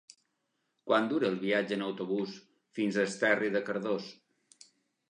Quant dura el viatge en autobús fins a Esterri de Cardós?